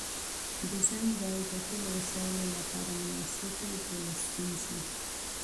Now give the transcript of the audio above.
ډیزاین باید د ټولو وسایلو لپاره مناسب وي بې له ستونزې.